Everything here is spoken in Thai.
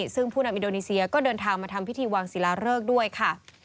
ซึ่งผู้นำอินโดนีเซียก็เดินทางมาทำพิธีวางศิลาเริกด้วยค่ะ